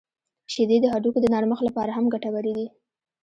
• شیدې د هډوکو د نرمښت لپاره هم ګټورې دي.